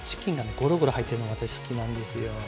ゴロゴロ入ってるのが私好きなんですよ。